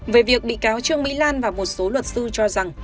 về việc bị cáo trương mỹ lan và một số luật sư cho rằng